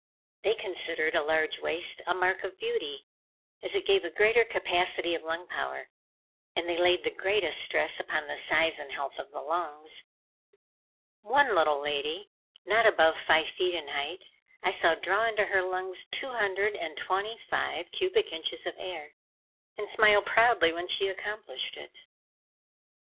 They considered a large waist a mark of beauty, as it gave a greater capacity of lung power; and they laid the greatest stress upon the size and health of the lungs. One little lady, not above five feet in height, I saw draw into her lungs two hundred and twenty five cubic inches of air, and smile proudly when she accomplished it.